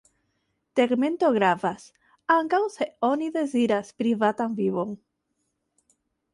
Tegmento gravas ankaŭ se oni deziras privatan vivon.